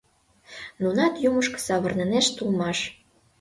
— Нунат юмышко савырнынешт улмаш.